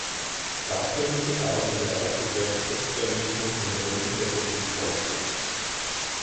Das findet sich auch im Bereich des Rechtsextremismus in der Bundesrepublik Deutschland.